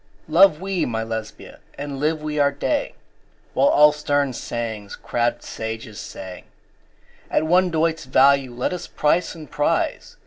Love we (my Lesbia!) and live we our day, While all stern sayings crabbed sages say, At one doit's value let us price and prize!